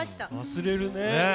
忘れるねえ。